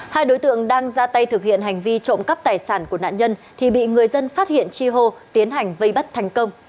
hai đối tượng đang ra tay thực hiện hành vi trộm cắp tài sản của nạn nhân thì bị người dân phát hiện chi hô tiến hành vây bắt thành công